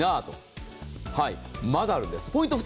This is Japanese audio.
まだあるんです。